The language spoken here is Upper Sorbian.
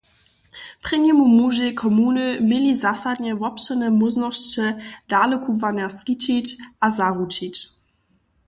Prěnjemu mužej komuny měli zasadnje wobšěrne móžnosće dalekubłanja skićić a zaručić.